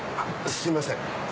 すいません。